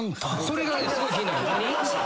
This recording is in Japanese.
それがすごい気になる。